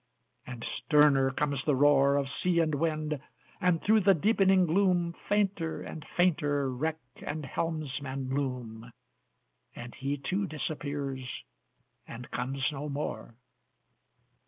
And sterner comes the roar Of sea and wind, and through the deepening gloom Fainter and fainter wreck and helmsman loom, And he too disappears, and comes no more.